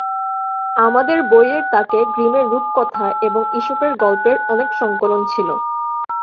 আমাদের বইয়ের তাকে গ্রিমের রূপকথা এবং ঈশপের গল্পের অনেক সংকলন ছিল।